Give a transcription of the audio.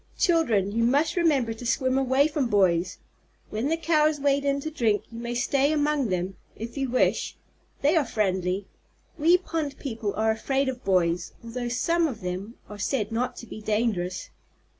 Children, you must remember to swim away from boys. When the Cows wade in to drink, you may stay among them, if you wish. They are friendly. We pond people are afraid of boys, although some of them are said not to be dangerous."